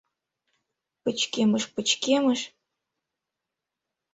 Пычкемыш-пычкемыш...